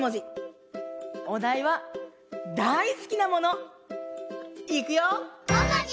おだいは「だいすきなもの」。いくよ！